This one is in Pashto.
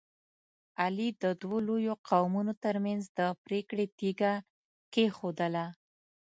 علي د دوو لویو قومونو ترمنځ د پرېکړې تیږه کېښودله.